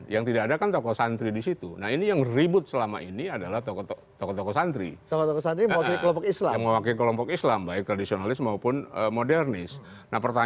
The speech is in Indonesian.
yang tidak terwakili di figur itu terbelah